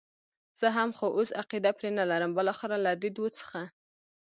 زه هم، خو اوس عقیده پرې نه لرم، بالاخره له دې دوو څخه.